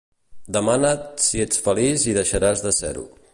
Demana't si ets feliç i deixaràs de ser-ho.